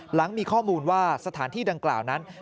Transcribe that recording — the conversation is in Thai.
หลังมีข้อมูลว่าสถานที่ดังกล่าวนั้น